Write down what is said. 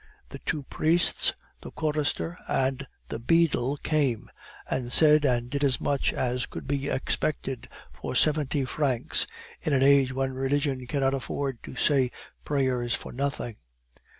The two priests, the chorister, and the beadle came, and said and did as much as could be expected for seventy francs in an age when religion cannot afford to say prayers for nothing.